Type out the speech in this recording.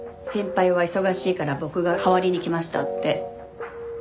先輩は忙しいから僕が代わりに来ましたって。